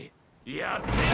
やってや。